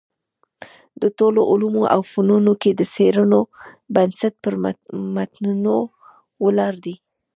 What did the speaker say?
د ټولو علومو او فنونو کي د څېړنو بنسټ پر متونو ولاړ دﺉ.